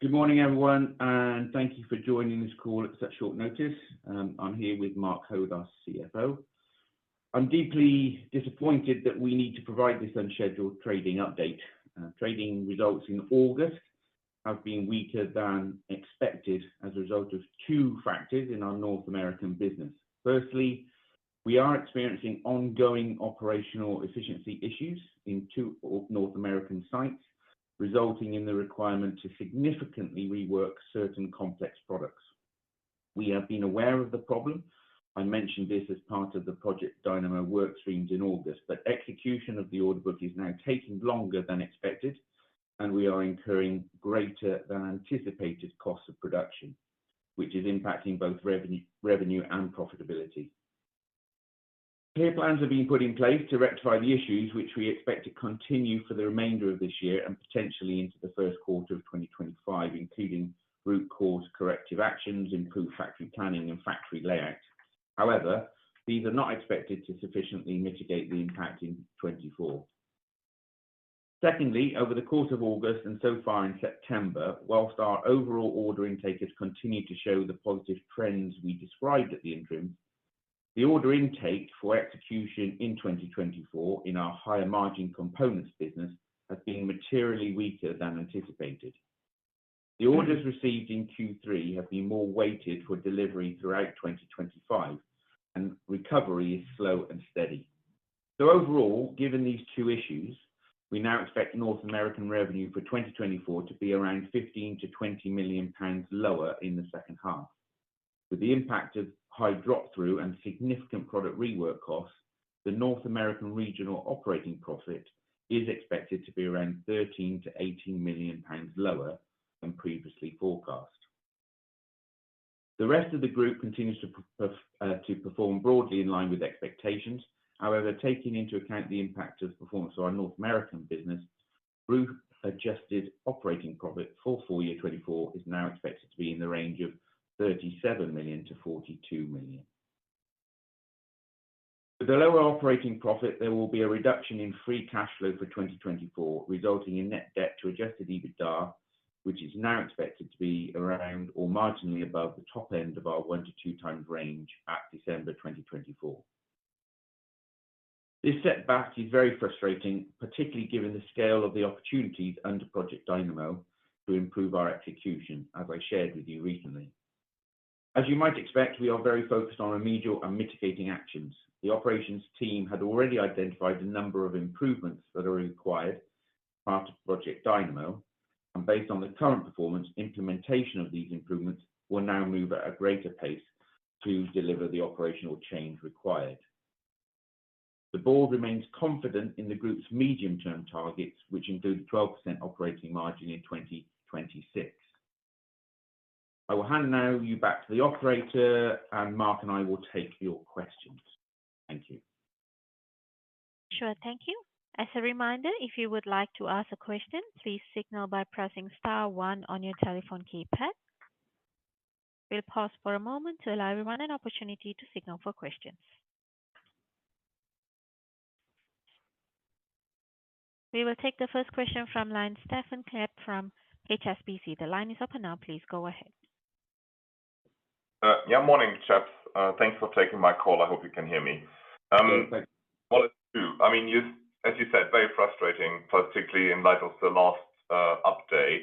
Good morning, everyone, and thank you for joining this call at such short notice. I'm here with Mark Hoad, our CFO. I'm deeply disappointed that we need to provide this unscheduled trading update. Trading results in August have been weaker than expected as a result of two factors in our North American business. Firstly, we are experiencing ongoing operational efficiency issues in two of North American sites, resulting in the requirement to significantly rework certain complex products. We have been aware of the problem. I mentioned this as part of the Project Dynamo work streams in August, but execution of the order book is now taking longer than expected, and we are incurring greater than anticipated costs of production, which is impacting both revenue and profitability. Clear plans have been put in place to rectify the issues, which we expect to continue for the remainder of this year and potentially into the first quarter of 2025, including root cause corrective actions, improved factory planning, and factory layout. However, these are not expected to sufficiently mitigate the impact in 2024. Secondly, over the course of August and so far in September, whilst our overall order intake has continued to show the positive trends we described at the interim, the order intake for execution in 2024 in our higher margin components business has been materially weaker than anticipated. The orders received in Q3 have been more weighted for delivery throughout 2025, and recovery is slow and steady. Overall, given these two issues, we now expect North American revenue for 2024 to be around 15 million-20 million pounds lower in the second half. With the impact of high drop-through and significant product rework costs, the North American regional operating profit is expected to be around 13 million-18 million pounds lower than previously forecast. The rest of the group continues to perform broadly in line with expectations. However, taking into account the impact of the performance of our North American business, group adjusted operating profit for full year 2024 is now expected to be in the range of 37 million-42 million. With a lower operating profit, there will be a reduction in free cash flow for 2024, resulting in net debt to Adjusted EBITDA, which is now expected to be around or marginally above the top end of our one to two times range at December 2024. This setback is very frustrating, particularly given the scale of the opportunities under Project Dynamo, to improve our execution, as I shared with you recently. As you might expect, we are very focused on remedial and mitigating actions. The operations team had already identified a number of improvements that are required as part of Project Dynamo, and based on the current performance, implementation of these improvements will now move at a greater pace to deliver the operational change required. The board remains confident in the group's medium-term targets, which include 12% operating margin in 2026. I will now hand you back to the operator, and Mark and I will take your questions. Thank you. Sure, thank you. As a reminder, if you would like to ask a question, please signal by pressing star one on your telephone keypad. We'll pause for a moment to allow everyone an opportunity to signal for questions. We will take the first question from line, Stephan Klepp from HSBC. The line is open now. Please go ahead. Yeah, morning, gents. Thanks for taking my call. I hope you can hear me. Yeah, thanks. It's true. I mean, you, as you said, very frustrating, particularly in light of the last update.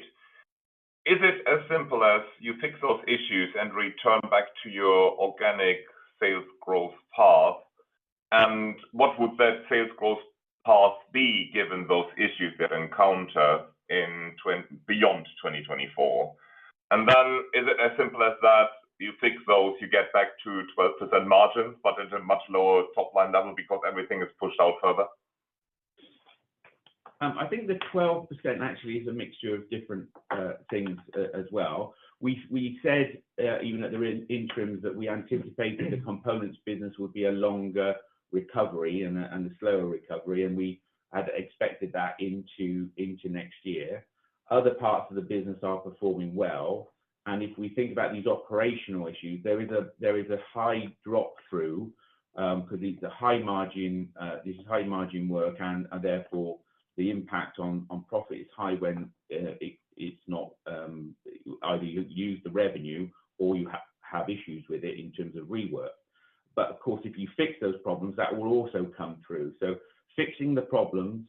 Is it as simple as you fix those issues and return back to your organic sales growth path? And what would that sales growth path be, given those issues you have encountered in 2024 and beyond? And then is it as simple as that, you fix those, you get back to 12% margin, but at a much lower top line level because everything is pushed out further? I think the 12% actually is a mixture of different things as well. We said, even at the interims, that we anticipated the components business would be a longer recovery and a slower recovery, and we had expected that into next year. Other parts of the business are performing well, and if we think about these operational issues, there is a high drop-through because it's a high margin, this is high margin work, and therefore, the impact on profit is high when it's not, either you use the revenue or you have issues with it in terms of rework. But of course, if you fix those problems, that will also come through. So fixing the problems,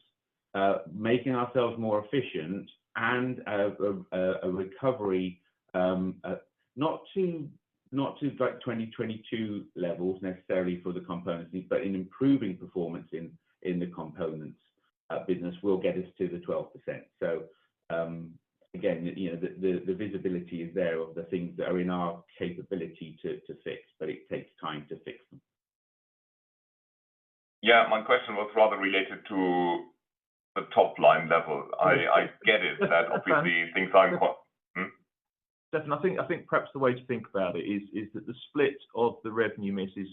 making ourselves more efficient and a recovery, not to about 2022 levels necessarily for the components, but in improving performance in the components business will get us to the 12%. So, again, you know, the visibility is there of the things that are in our capability to fix, but it takes time to fix them. Yeah, my question was rather related to the top-line level. Yes. I get it, that obviously things are impo- Mm? Stephan, I think perhaps the way to think about it is that the split of the revenue miss is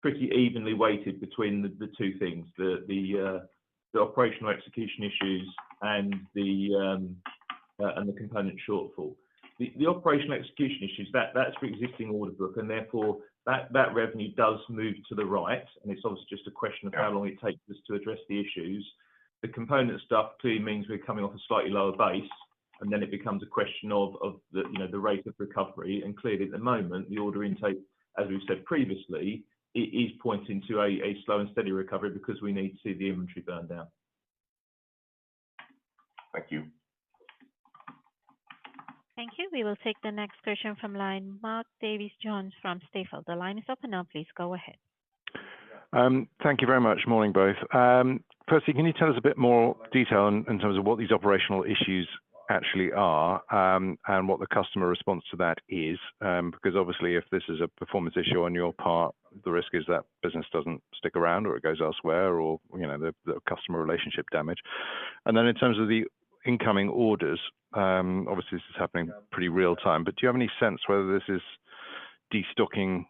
pretty evenly weighted between the operational execution issues and the component shortfall. The operational execution issues, that's for existing order book, and therefore, that revenue does move to the right, and it's obviously just a question of how long it takes us to address the issues. The component stuff clearly means we're coming off a slightly lower base, and then it becomes a question of you know the rate of recovery. And clearly, at the moment, the order intake, as we've said previously, it is pointing to a slow and steady recovery because we need to see the inventory burn down. Thank you. Thank you. We will take the next question from line, Mark Davies Jones from Stifel. The line is open now. Please go ahead. Thank you very much. Morning, both. Firstly, can you tell us a bit more detail in terms of what these operational issues actually are, and what the customer response to that is? Because obviously, if this is a performance issue on your part, the risk is that business doesn't stick around, or it goes elsewhere, or, you know, the customer relationship damage, and then in terms of the incoming orders, obviously, this is happening pretty real time, but do you have any sense whether this is destocking,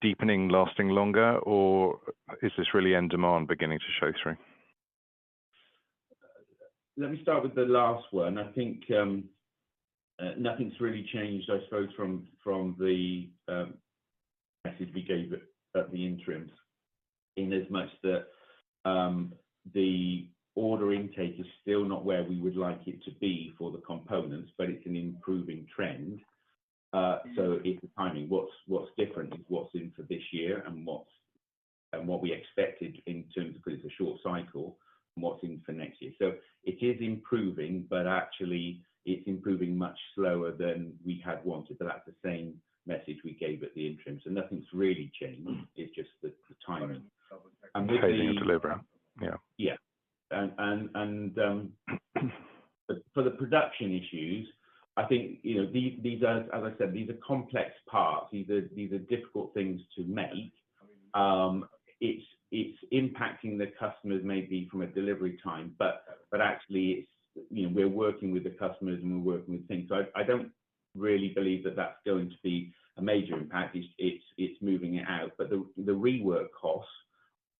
deepening, lasting longer, or is this really end demand beginning to show through? Let me start with the last one. I think nothing's really changed, I suppose, from the message we gave at the interim, in as much that the order intake is still not where we would like it to be for the components, but it's an improving trend. So it's the timing. What's different is what's in for this year and what we expected in terms of, 'cause it's a short cycle, and what's in for next year. So it is improving, but actually it's improving much slower than we had wanted. So that's the same message we gave at the interim. So nothing's really changed. It's just the timing. And we- Pacing and delivery, yeah. Yeah. For the production issues, I think, you know, these are as I said, these are complex parts. These are difficult things to make. It's impacting the customers maybe from a delivery time, but actually it's, you know, we're working with the customers, and we're working with things. So I don't really believe that that's going to be a major impact. It's moving it out. But the rework costs,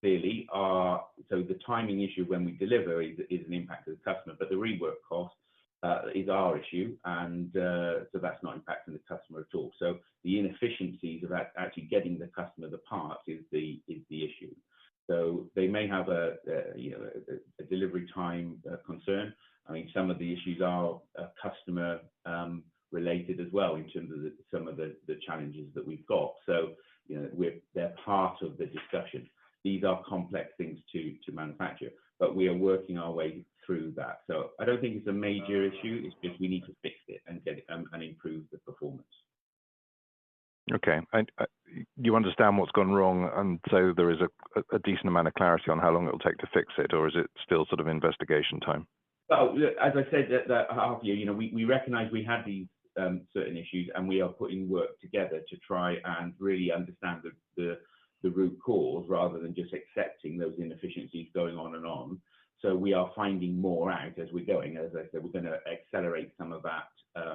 clearly, are. So the timing issue when we deliver is an impact to the customer, but the rework cost is our issue, and so that's not impacting the customer at all. So the inefficiencies of actually getting the customer the part is the issue. So they may have a you know, a delivery time concern. I mean, some of the issues are customer related as well in terms of some of the challenges that we've got. So, you know, we're, they're part of the discussion. These are complex things to manufacture, but we are working our way through that. So I don't think it's a major issue, it's just we need to fix it and get it and improve the performance. Okay. And, you understand what's gone wrong, and so there is a decent amount of clarity on how long it will take to fix it, or is it still sort of investigation time? As I said at the half year, you know, we recognize we had these certain issues, and we are putting work together to try and really understand the root cause rather than just accepting those inefficiencies going on and on. So we are finding more out as we're going. As I said, we're gonna accelerate some of that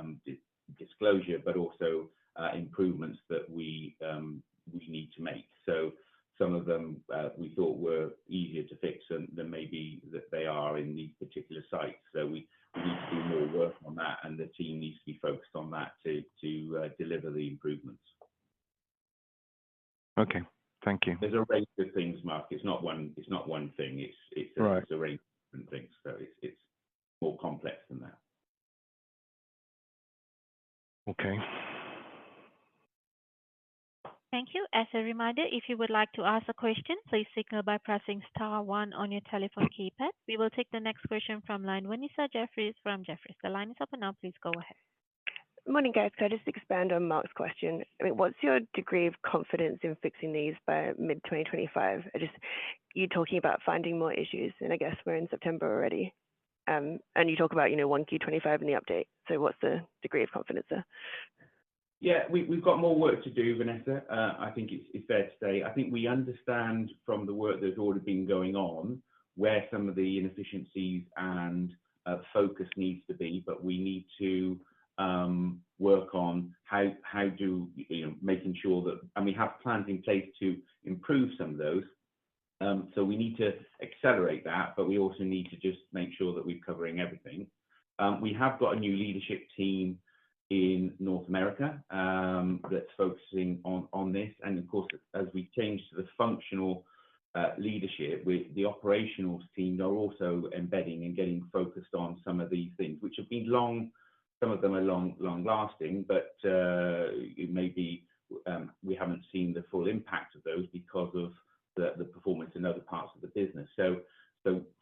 disclosure, but also improvements that we need to make. So some of them we thought were easier to fix than maybe that they are in these particular sites. So we need to do more work on that, and the team needs to be focused on that to deliver the improvements. Okay, thank you. There's a range of things, Mark. It's not one thing, it's- Right. It's a range of different things, so it's, it's more complex than that. Okay. Thank you. As a reminder, if you would like to ask a question, please signal by pressing star one on your telephone keypad. We will take the next question from line, Vanessa Jeffriess from Jefferies. The line is open now. Please go ahead. Morning, guys. Can I just expand on Mark's question? I mean, what's your degree of confidence in fixing these by mid-2025? I just. You're talking about finding more issues, and I guess we're in September already. And you talk about, you know, 1Q25 in the update. So what's the degree of confidence there? Yeah, we've got more work to do, Vanessa. I think it's fair to say. I think we understand from the work that has already been going on, where some of the inefficiencies and focus needs to be, but we need to work on how you know, making sure that, and we have plans in place to improve some of those, so we need to accelerate that, but we also need to just make sure that we're covering everything. We have got a new leadership team in North America that's focusing on this. Of course, as we change the functional leadership with the operational team, they're also embedding and getting focused on some of these things, which have been long-lasting, some of them are long-lasting, but it may be we haven't seen the full impact of those because of the performance in other parts of the business. So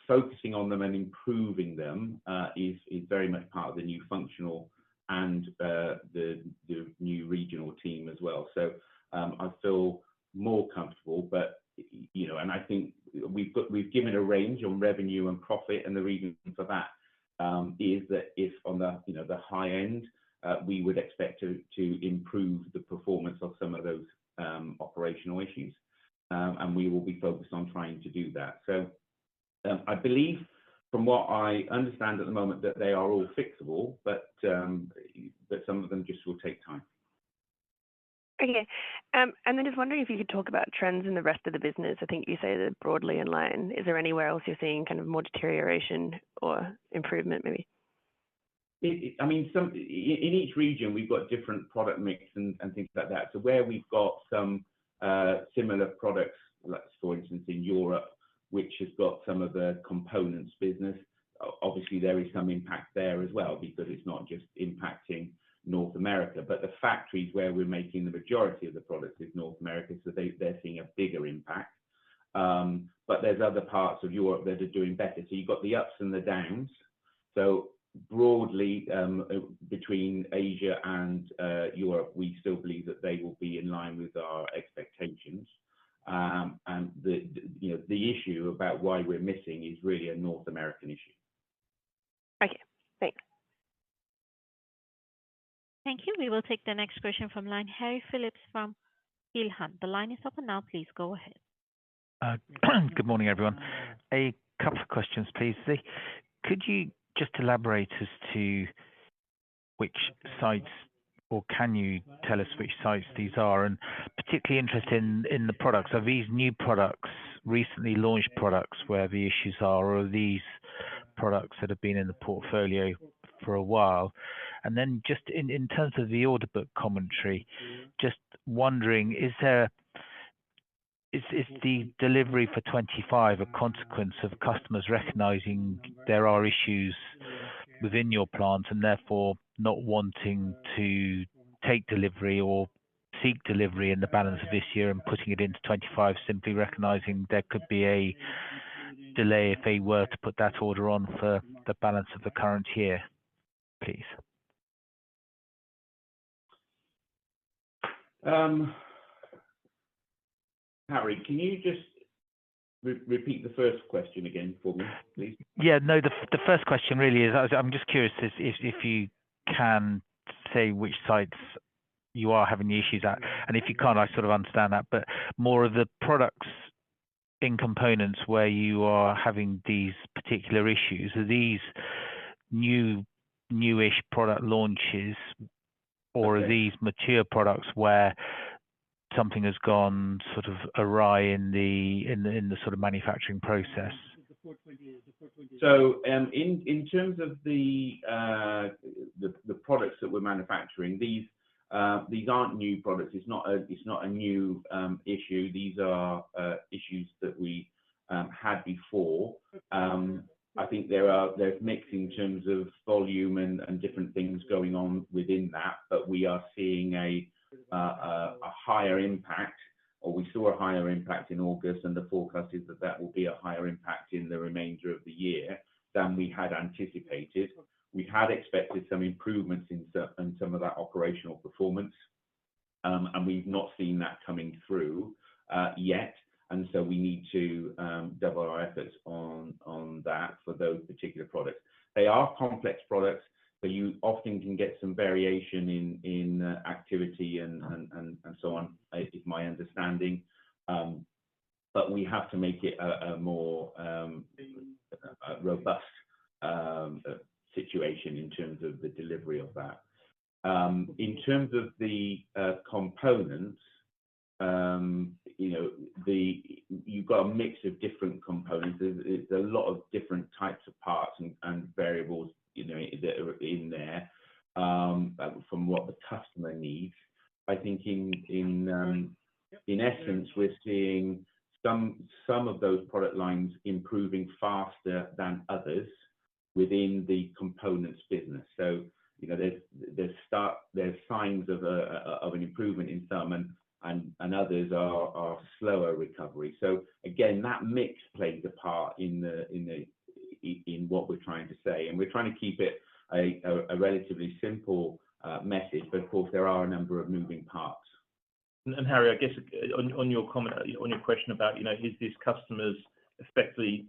focusing on them and improving them is very much part of the new functional and the new regional team as well. So, I feel more comfortable, but you know, and I think we've given a range on revenue and profit, and the reason for that is that if on the you know the high end, we would expect to improve the performance of some of those operational issues, and we will be focused on trying to do that. So, I believe from what I understand at the moment that they are all fixable, but some of them just will take time. Okay, and then just wondering if you could talk about trends in the rest of the business. I think you say they're broadly in line. Is there anywhere else you're seeing kind of more deterioration or improvement, maybe? I mean, so in each region, we've got different product mix and things like that. So where we've got some similar products, like for instance, in Europe, which has got some of the components business, obviously, there is some impact there as well because it's not just impacting North America, but the factories where we're making the majority of the products is North America, so they're seeing a bigger impact. But there's other parts of Europe that are doing better. So you've got the ups and the downs. So broadly, between Asia and Europe, we still believe that they will be in line with our expectations, and, you know, the issue about why we're missing is really a North American issue. Okay, thanks. Thank you. We will take the next question from line, Harry Philips from Peel Hunt. The line is open now, please go ahead. Good morning, everyone. A couple of questions, please. Could you just elaborate as to which sites, or can you tell us which sites these are? And particularly interested in the products. Are these new products, recently launched products, where the issues are, or are these products that have been in the portfolio for a while? And then just in terms of the order book commentary, just wondering, is the delivery for 2025 a consequence of customers recognizing there are issues within your plant, and therefore, not wanting to take delivery or seek delivery in the balance of this year and putting it into 2025, simply recognizing there could be a delay if they were to put that order on for the balance of the current year, please? Harry, can you just repeat the first question again for me, please? Yeah, no, the first question really is. I'm just curious if you can say which sites you are having the issues at, and if you can't, I sort of understand that, but more of the products in components where you are having these particular issues. Are these new, new-ish product launches, or are these mature products where something has gone sort of awry in the sort of manufacturing process? In terms of the products that we're manufacturing, these aren't new products. It's not a new issue. These are issues that we had before. I think there's mix in terms of volume and different things going on within that, but we are seeing a higher impact, or we saw a higher impact in August, and the forecast is that that will be a higher impact in the remainder of the year than we had anticipated. We had expected some improvements in some of that operational performance, and we've not seen that coming through yet, and so we need to double our efforts on that for those particular products. They are complex products, so you often can get some variation in activity and so on, is my understanding. But we have to make it a more robust situation in terms of the delivery of that. In terms of the components, you know, the- you've got a mix of different components. There's a lot of different types of parts and variables, you know, that are in there from what the customer needs. I think in essence, we're seeing some of those product lines improving faster than others within the components business. So, you know, there's signs of an improvement in some and others are slower recovery. Again, that mix plays a part in what we're trying to say, and we're trying to keep it a relatively simple message, but of course, there are a number of moving parts. Harry, I guess on your comment on your question about, you know, is these customers effectively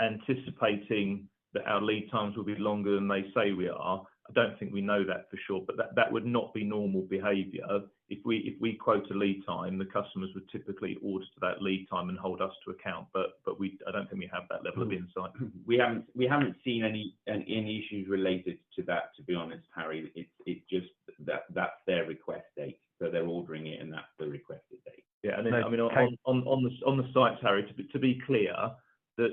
anticipating that our lead times will be longer than they say we are? I don't think we know that for sure, but that would not be normal behavior. If we quote a lead time, the customers would typically order to that lead time and hold us to account, but I don't think we have that level of insight. We haven't seen any issues related to that, to be honest, Harry. It's just that that's their request date, so they're ordering it, and that's the requested date. Yeah, and then, I mean, on the site, Harry, to be clear, the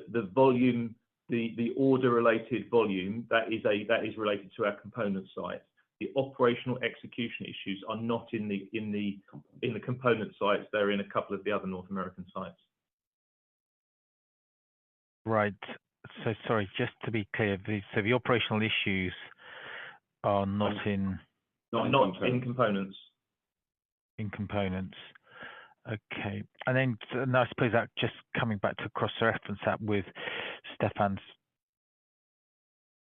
order-related volume, that is related to our component sites. The operational execution issues are not in the component sites. They're in a couple of the other North American sites. Right, so sorry, just to be clear, so the operational issues are not in- Not in components. In components. Okay, and then I suppose that just coming back to cross-reference that with Stephan's,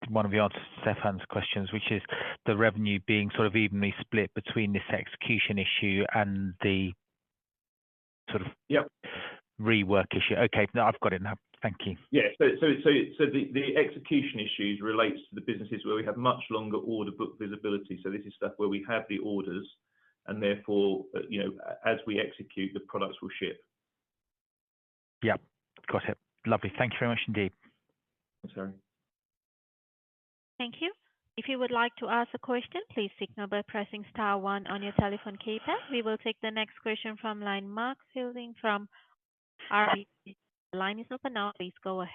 one of the answers to Stephan's questions, which is the revenue being sort of evenly split between this execution issue and the sort of- Yep Rework issue. Okay, now I've got it now. Thank you. Yeah, so the execution issues relates to the businesses where we have much longer order book visibility. So this is stuff where we have the orders, and therefore, you know, as we execute, the products will ship. Yep, got it. Lovely. Thank you very much indeed. Thanks, Harry. Thank you. If you would like to ask a question, please signal by pressing star one on your telephone keypad. We will take the next question from line Mark Fielding from RBC. The line is open now, please go ahead.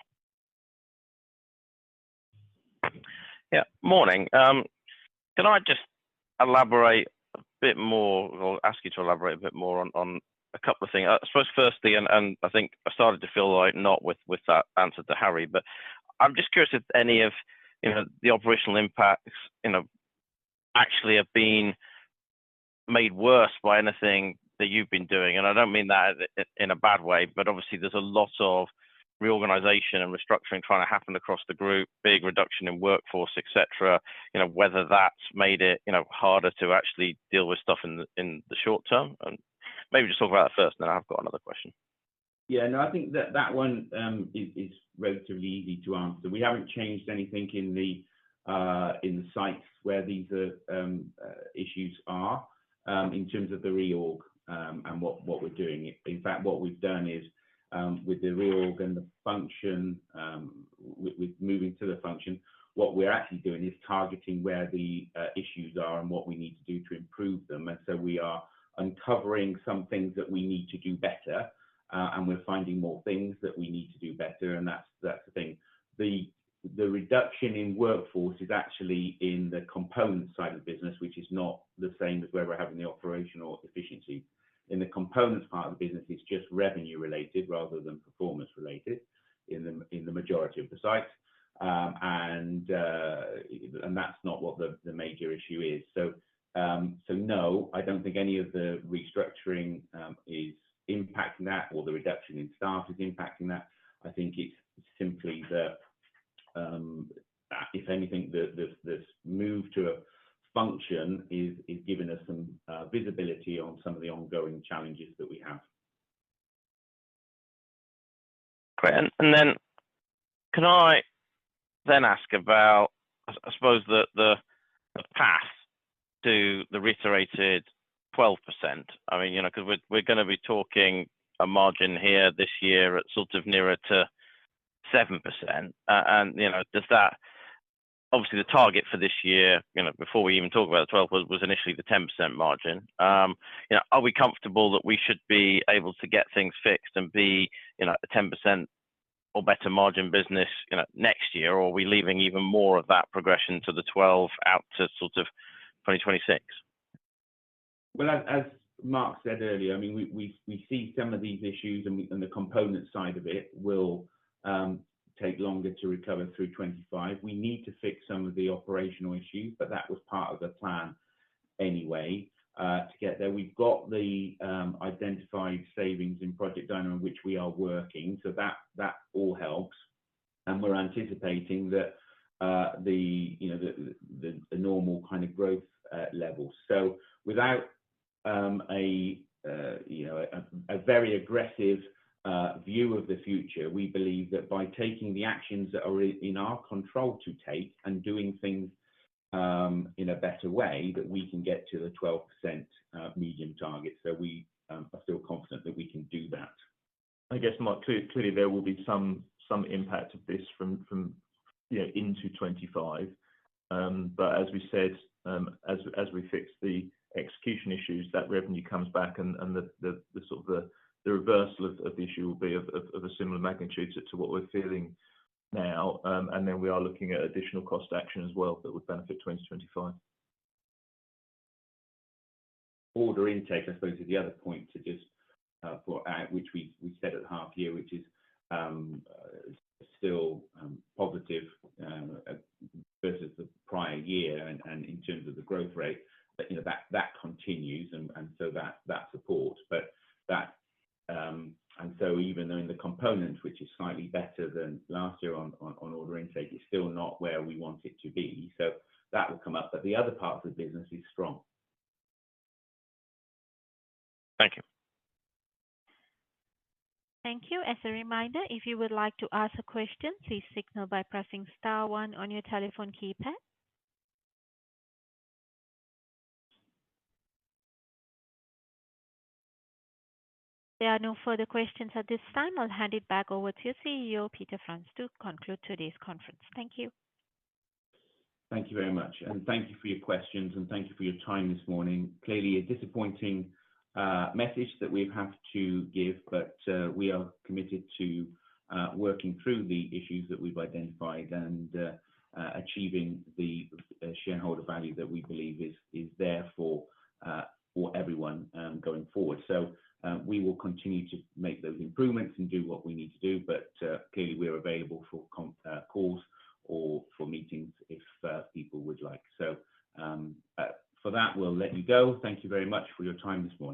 Yeah, morning. Can I just elaborate a bit more, or ask you to elaborate a bit more on a couple of things? I suppose firstly, and I think I started to feel like not with that answer to Harry, but I'm just curious if any of the operational impacts actually have been made worse by anything that you've been doing. And I don't mean that in a bad way, but obviously there's a lot of reorganization and restructuring trying to happen across the group, big reduction in workforce, et cetera, you know, whether that's made it harder to actually deal with stuff in the short term. Maybe just talk about that first, then I've got another question. Yeah. No, I think that one is relatively easy to answer. We haven't changed anything in the sites where these issues are in terms of the reorg and what we're doing. In fact, what we've done is with the reorg and the function with moving to the function, what we're actually doing is targeting where the issues are and what we need to do to improve them. And so we are uncovering some things that we need to do better and we're finding more things that we need to do better, and that's the thing. The reduction in workforce is actually in the component side of the business, which is not the same as where we're having the operational efficiency. In the components part of the business, it's just revenue related rather than performance related in the majority of the sites. And that's not what the major issue is. No, I don't think any of the restructuring is impacting that or the reduction in staff is impacting that. I think it's simply, if anything, this move to a function is giving us some visibility on some of the ongoing challenges that we have. Great. And then can I ask about, I suppose the path to the reiterated 12%? I mean, you know, 'cause we're gonna be talking a margin here this year at sort of nearer to 7%. And, you know, does that obviously, the target for this year, you know, before we even talk about the 12, was initially the 10% margin. You know, are we comfortable that we should be able to get things fixed and be, you know, a 10% or better margin business, you know, next year, or are we leaving even more of that progression to the 12 out to sort of 2026? As Mark said earlier, I mean, we see some of these issues, and the component side of it will take longer to recover through 2025. We need to fix some of the operational issues, but that was part of the plan anyway to get there. We've got the identified savings in Project Dynamo, which we are working, so that all helps. We're anticipating that the you know the normal kind of growth level, so without a you know a very aggressive view of the future, we believe that by taking the actions that are in our control to take and doing things in a better way, that we can get to the 12% medium target, so we are still confident that we can do that. I guess, Mark, clearly there will be some impact of this from you know into 2025. But as we said, as we fix the execution issues, that revenue comes back and the reversal of the issue will be of a similar magnitude to what we're feeling now. And then we are looking at additional cost action as well, that would benefit 2025. Order intake, I suppose, is the other point to just add, which we said at half year, which is still positive versus the prior year and in terms of the growth rate, but you know, that continues and so that supports, but that... and so even though in the components, which is slightly better than last year on order intake, is still not where we want it to be, so that will come up, but the other parts of the business is strong. Thank you. Thank you. As a reminder, if you would like to ask a question, please signal by pressing star one on your telephone keypad. There are no further questions at this time. I'll hand it back over to CEO Peter France to conclude today's conference. Thank you. Thank you very much, and thank you for your questions, and thank you for your time this morning. Clearly, a disappointing message that we've had to give, but we are committed to working through the issues that we've identified and achieving the shareholder value that we believe is there for everyone going forward. So, we will continue to make those improvements and do what we need to do, but clearly, we are available for conference calls or for meetings if people would like. So, for that, we'll let you go. Thank you very much for your time this morning.